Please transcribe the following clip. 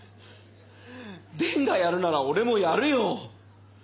伝がやるなら俺もやるよ。